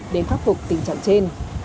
để phát phục tình trạng trên